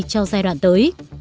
cho giai đoạn tới